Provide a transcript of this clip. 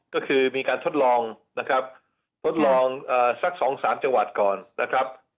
ก็คือมีการทดลองนะครับทดลองสัก๒๓จังหวัดก่อนนะครับ